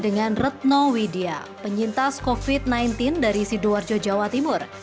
dengan retno widya penyintas covid sembilan belas dari sidoarjo jawa timur